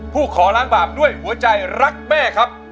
ขอล้างบาปด้วยหัวใจรักแม่ครับ